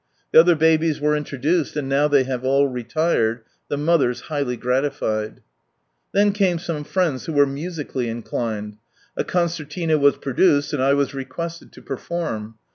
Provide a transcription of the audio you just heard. The other babies were introduced, and now they have all retired, the mothers highly gratified. Then came some friends who were musically inclined. A concertina was produced, and I was requested to perform.